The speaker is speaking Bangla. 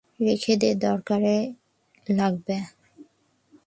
রেখে দে, দরকার লাগবে।